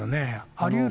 ありうる。